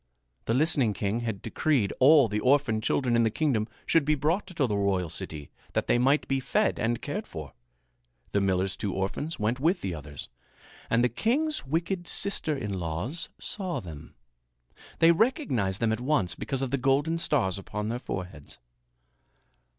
The listening king had decreed all the orphaned children in the kingdom should be brought to the royal city that they might be fed and cared for. The miller's two orphans went with the others, and the king's wicked sister in laws saw them. They recognized them at once because of the golden stars upon their foreheads.